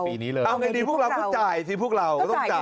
พวกเราต้องจ่ายต้องจ่ายพวกเรา